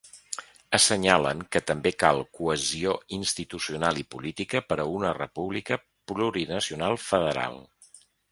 Assenyalen que també cal cohesió institucional i política per a una república plurinacional federal.